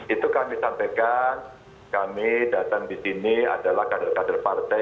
itu kami sampaikan kami datang di sini adalah kader kader partai